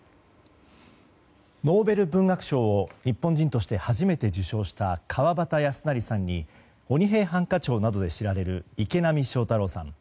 ノーベル文学賞を日本人として初めて受賞した川端康成さんに「鬼平犯科帳」などで知られる池波正太郎さん。